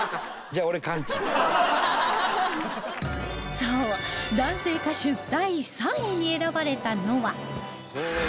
そう男性歌手第３位に選ばれたのは